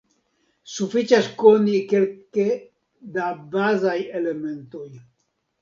Sufiĉas koni kelke da bazaj elementoj.